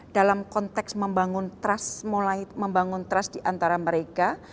dalam konteks membangun trust diantara mereka